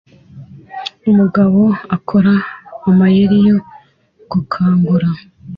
Umugabo akora amayeri yo gukangura